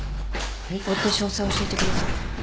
追って詳細教えてください。